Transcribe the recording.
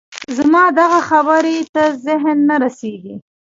زما دغه خبرې ته ذهن نه رسېږي